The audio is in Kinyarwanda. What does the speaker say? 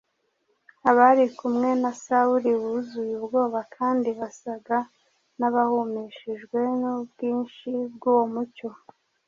Abari kumwe na Sawuli buzuye ubwoba kandi basaga n’abahumishijwe n’ubwinshi bw’uwo mucyo,